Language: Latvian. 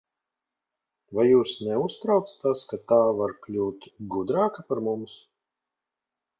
Vai jūs neuztrauc tas, ka tā var kļūt gudrāka par mums?